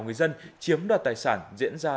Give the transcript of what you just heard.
người dân chiếm đoạt tài sản diễn ra